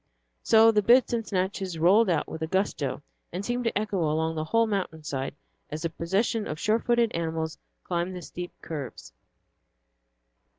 So the bits and snatches rolled out with a gusto, and seemed to echo along the whole mountain side as the procession of sure footed animals climbed the steep curves.